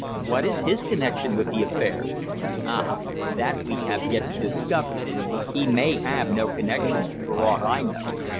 What is his connection with the affair?" "Ah, that we have yet to discover. He may have no connection, for aught I know.